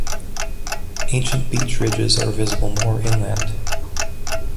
Ancient beach ridges are visible more inland.